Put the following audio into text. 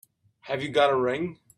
Have you got a ring?